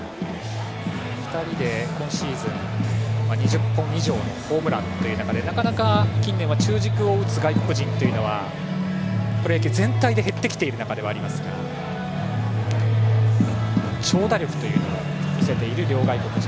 ２０本以上のホームランということでなかなか近年は中軸を打つ外国人はプロ野球全体で減ってきている中ですが長打力というのは見せている両外国人。